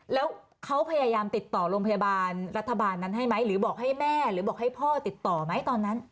แล้วเขาพยายามติดต่อโรงพยาบาลรัฐบาลนั้นให้ไหมหรือบอกให้แม่หรือบอกให้พ่อติดต่อไหมตอนนั้น